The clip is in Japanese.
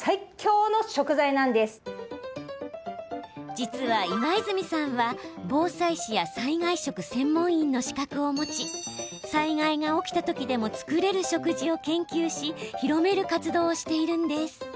実は、今泉さんは防災士や災害食専門員の資格を持ち災害が起きたときでも作れる食事を研究し広める活動をしているんです。